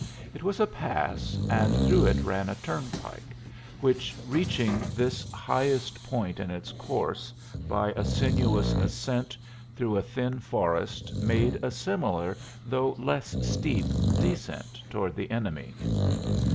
It was a pass, and through it ran a turnpike, which reaching this highest point in its course by a sinuous ascent through a thin forest made a similar, though less steep, descent toward the enemy.